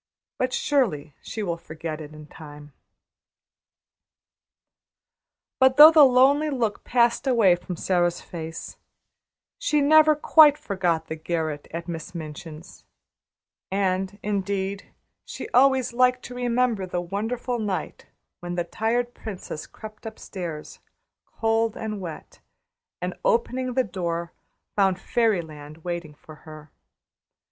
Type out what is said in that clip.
But, surely, she will forget it in time." But though the lonely look passed away from Sara's face, she never quite forgot the garret at Miss Minchin's; and, indeed, she always liked to remember the wonderful night when the tired princess crept upstairs, cold and wet, and opening the door found fairy land waiting for her.